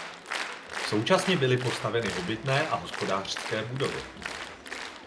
Současně byly postaveny obytné a hospodářské budovy.